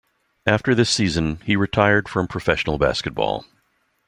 After this season, he retired from professional basketball.